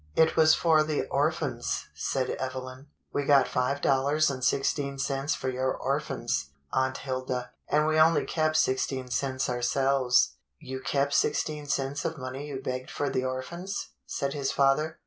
"It was for the orphans," said Evelyn. "We got five dollars and sixteen cents for your orphans, Aunt Hilda, and we only kept sixteen cents ourselves." "You kept sixteen cents of money you begged for the orphans?" said his father.